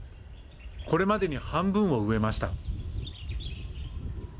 これまでに半分を植えました。